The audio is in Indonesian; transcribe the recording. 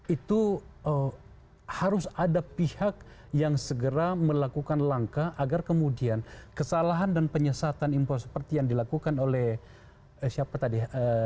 itu harus ada pihak yang segera melakukan langkah agar kemudian kesalahan dan penyesatan impor seperti yang dilakukan oleh siapa tadi